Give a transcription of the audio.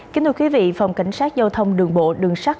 kính thưa quý vị phòng cảnh sát dâu thông đường bộ đường sắc